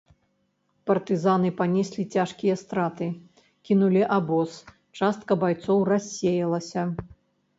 Партызаны панеслі цяжкія страты, кінулі абоз, частка байцоў рассеялася.